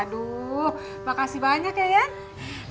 aduh makasih banyak ya ya